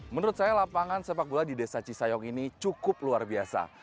menurut saya lapangan sepak bola di desa cisayong ini cukup luar biasa